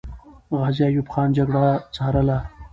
غازي ایوب خان جګړه ځارله.